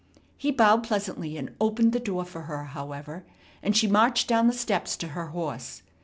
He bowed pleasantly, and opened the door for her, however; and she marched down the steps to her horse.